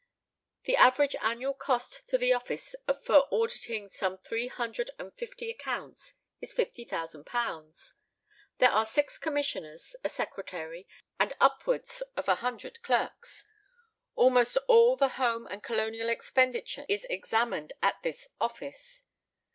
The average annual cost of the office for auditing some three hundred and fifty accounts is £50,000. There are six commissioners, a secretary, and upwards of a hundred clerks. Almost all the home and colonial expenditure is examined at this office.